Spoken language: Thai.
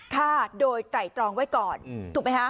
ฆ่าโดยไตรตรองไว้ก่อนถูกไหมฮะ